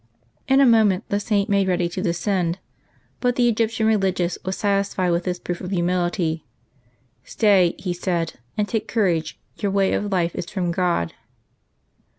In a moment the Saint made ready to descend; but the Egyptian religious was satisfied with this proof of humility. " Stay," he said, " and take courage ; your way of life is from God."